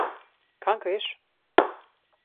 Kam greš?